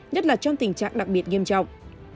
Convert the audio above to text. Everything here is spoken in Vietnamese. nhất là trong tình trạng đặc biệt nghiêm trọng